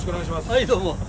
はいどうも。